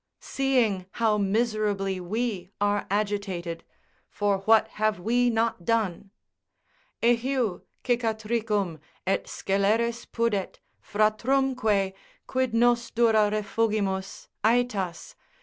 Seeing how miserably we are agitated (for what have we not done!) "Eheu! cicatricum, et sceleris pudet, Fratrumque: quid nos dura refugimus AEtas?